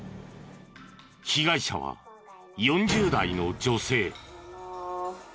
被害者は４０代の女性。